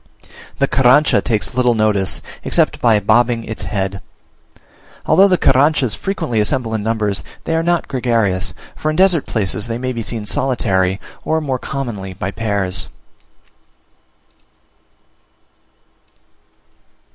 The Carrancha takes little notice, except by bobbing its head. Although the Carranchas frequently assemble in numbers, they are not gregarious; for in desert places they may be seen solitary, or more commonly by pairs.